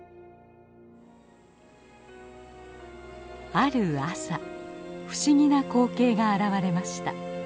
ある朝不思議な光景が現れました。